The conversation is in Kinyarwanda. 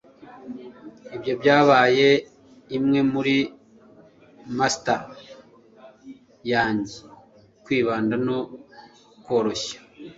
ibyo byabaye imwe muri mantras yanjye - kwibanda no koroshya